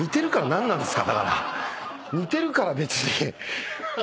似てるから別に。